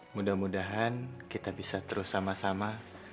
mudah mudahan kita bisa terus sama sama